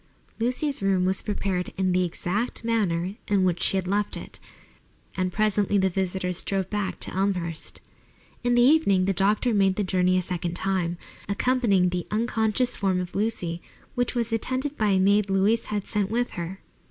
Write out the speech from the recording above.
Lucy's room was prepared in the exact manner in which she had left it, and presently the visitors drove back to Elmhurst. In the evening the doctor made the journey a second time, accompanying the unconscious form of Lucy, which was attended by a maid Louise had sent with her.